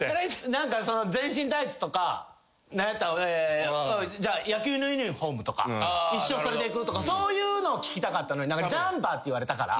何かその全身タイツとか何やったら野球のユニホームとか一生それでいくとかそういうのを聞きたかったのに「ジャンパー」って言われたから。